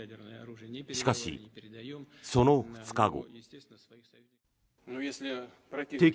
しかし、その２日後。